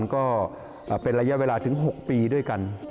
ก็เป็นระยะเวลาถึง๖ปีด้วยกัน